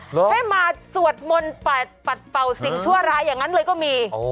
ให้มาสวดมนต์ปัดเป่าสิ่งชั่วร้ายอย่างนั้นเลยก็มี